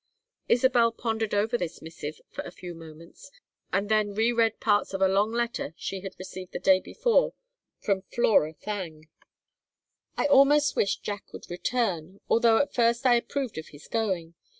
Isabel pondered over this missive for a few moments and then reread parts of a long letter she had received the day before from Flora Thangue. "... I almost wish Jack would return, although at first I approved of his going.